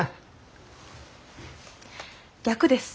逆です。